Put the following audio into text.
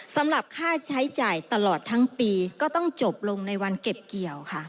สำหรับค่าใช้จ่ายตลอดทั้งปีก็ต้องจบลงในวันเก็บเกี่ยวค่ะ